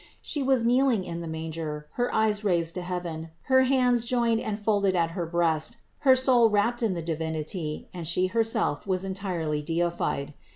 She was kneeling in the manger, her eyes raised to heaven, her hands joined and folded at her breat, her soul wrapped in the Divinity and She herself was entirely deified.